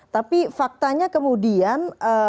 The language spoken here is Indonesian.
tapi faktanya kemudian